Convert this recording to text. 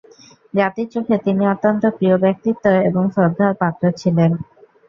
জাতির চোখে তিনি অত্যন্ত প্রিয় ব্যক্তিত্ব এবং শ্রদ্ধার পাত্র ছিলেন।